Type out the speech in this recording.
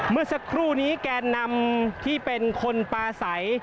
เมื่อสักครู่นี้แกนนำที่เป็นคนปลาใส